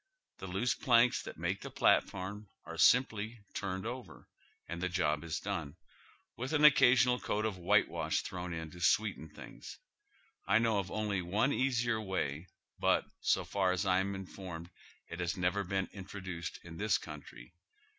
The loose planks that make the platform are simply turned over, and the job is done, with an occasional coat of white wash thrown in to sweeten things. I know of only one easier way, but, so far as I am informed, it has never been introduced in this country.